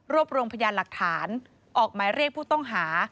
รวมรวมพยานหลักฐานออกหมายเรียกผู้ต้องหา